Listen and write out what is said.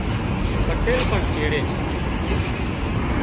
پٽيل پڻ چيڙي ڇا